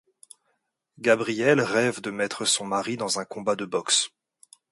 Gabrielle rêve de mettre son mari dans un combat de boxe.